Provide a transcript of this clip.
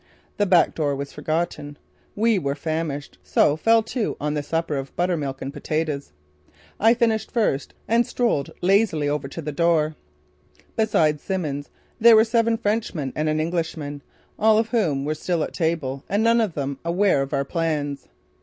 The back door was forgotten. We were famished, so fell to on the supper of buttermilk and potatoes. I finished first and strolled lazily over to the door. Besides Simmons, there were seven Frenchmen and an Englishman, all of whom were still at table and none of them aware of our plans.